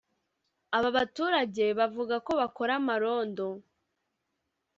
Aba baturage bavuga ko bakora amarondo